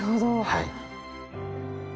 はい。